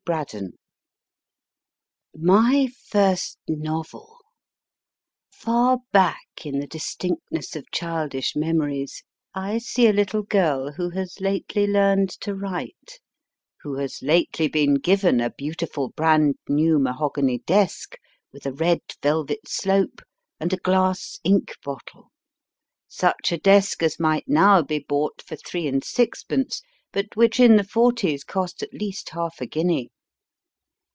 BRADDON Y first novel ! Far back in the distinctness of childish 1VJL memories I see a little girl who has lately learnt to write, who has lately been given a beautiful brand new mahogany desk, with a red velvet slope, and a glass ink bottle, such a desk as might now be bought for three and sixpence, but which in the forties cost at least half a guinea.